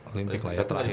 olimpik lah ya terakhir ya